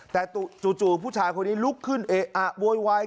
แต่จู่ผู้ชายคนนี้ลุกขึ้นเอะอะโวยวาย